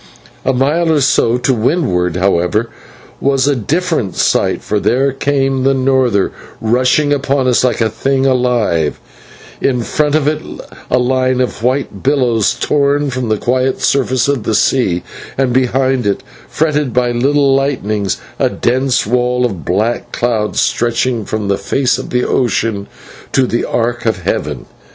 A mile or so to windward, however, was a different sight, for there came the norther, rushing upon us like a thing alive; in front of it a line of white billows torn from the quiet surface of the sea, and behind it, fretted by little lightnings, a dense wall of black cloud stretching from the face of ocean to the arc of heaven.